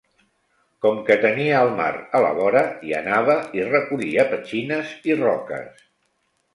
Com que tenia el mar a la vora hi anava i recollia petxines i roques.